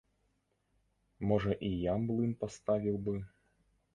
Можа і я млын паставіў бы.